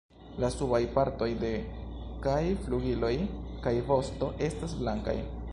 La subaj partoj de kaj flugiloj kaj vosto estas blankaj.